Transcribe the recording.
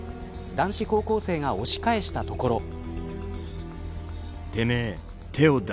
男子高校生が押し返したところ。